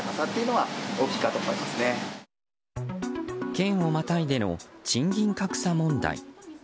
県をまたいでの賃金格差問題。